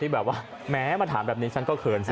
แบบว่าแม้มาถามแบบนี้ฉันก็เขินสิ